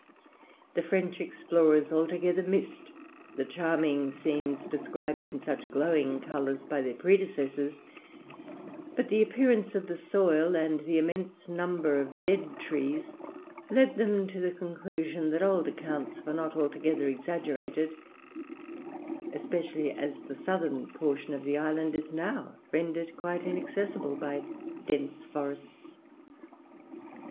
The French explorers altogether missed the charming scenes described in such glowing colours by their predecessors, but the appearance of the soil, and the immense number of dead trees, led them to the conclusion that old accounts were not altogether exaggerated, especially as the southern portion of the island is now rendered quite inaccessible by its dense forests.